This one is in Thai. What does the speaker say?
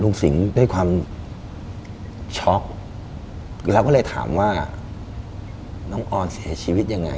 สิงห์ด้วยความช็อกเราก็เลยถามว่าน้องออนเสียชีวิตยังไง